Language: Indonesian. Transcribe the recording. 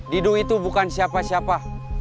didu itu bukan siapa siapa